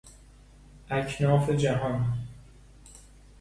اکناف جهان